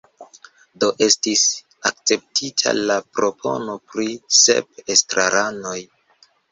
Do estis akceptita la propono pri sep estraranoj.